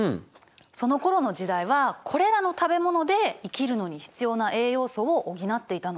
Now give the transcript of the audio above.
そのころの時代はこれらの食べ物で生きるのに必要な栄養素を補っていたの。